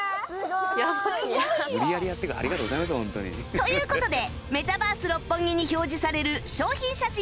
という事でメタバース六本木に表示される商品写真の撮影へ